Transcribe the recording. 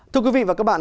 thưa quý vị và các bạn